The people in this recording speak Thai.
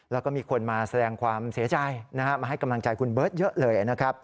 แล้วก็มีคนมาแสดงความเสียใจมาให้กำลังใจคุณเบิร์ตเยอะเลยนะครับ